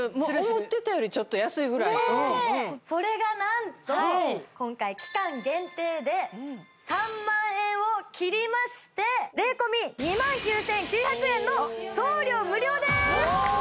思ってたよりちょっと安いぐらいそれがなんと今回期間限定で３万円を切りまして税込２万９９００円の送料無料でーす！